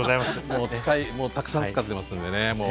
もうたくさん使ってますんでね。